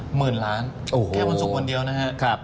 หมื่นล้านแค่วันศุกร์วันเดียวนะครับ